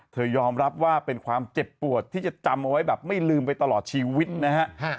ยอมรับว่าเป็นความเจ็บปวดที่จะจำเอาไว้แบบไม่ลืมไปตลอดชีวิตนะฮะ